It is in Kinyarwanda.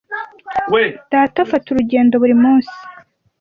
Data afata urugendo buri munsi.